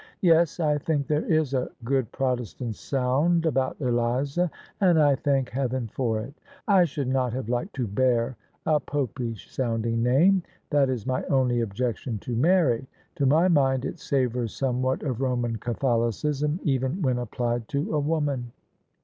"Yes: I think there is a good Protestant sound about Eliza, and I thank heaven for it I I should not have liked to bear a Popish sounding name. That is my only objection to Mary; to my mind it savours somewhat of Roman Catholicism, even when applied to a woman."